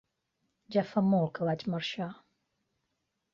Ja fa molt que vaig marxar.